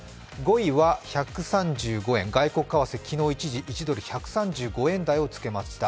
５位は１３５円、外国為替、昨日一時１ドル＝１３５円台をつけました。